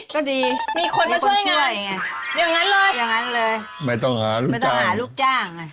ก็ดีมีคนมาช่วยไงอย่างนั้นเลยไม่ต้องหาลูกจ้าง